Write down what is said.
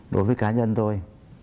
đối với cá nhân tôi